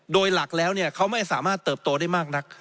โดยหลักแล้วเขาไม่สามารถเติบโตได้มากนัก